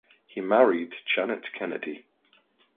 He married Janet Kennedy.